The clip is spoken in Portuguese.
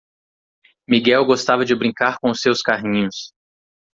Miguel gostava de brincar com os seus carrinhos.